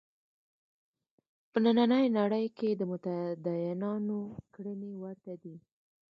په نننۍ نړۍ کې د متدینانو کړنې ورته دي.